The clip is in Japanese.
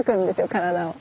体を。